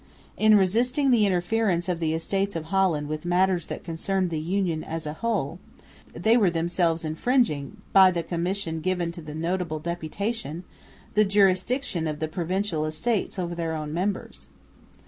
In resisting the interference of the Estates of Holland with matters that concerned the Union as a whole, they were themselves infringing, by the commission given to the "notable deputation," the jurisdiction of the Provincial Estates over their own members.